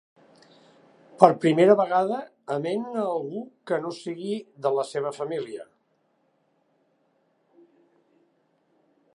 Per primera vegada, amen a algú que no sigui de la seva família.